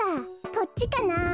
こっちかなあ。